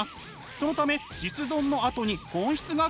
そのため実存のあとに本質が来るのです。